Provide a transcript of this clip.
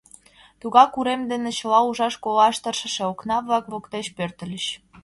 Тугак урем дене, чыла ужаш-колаш тыршыше окна-влак воктеч, пӧртыльыч.